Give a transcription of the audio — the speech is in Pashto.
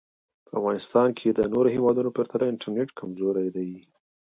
په افغانیستان کې د نورو هېوادونو پرتله انټرنټ کمزوری دی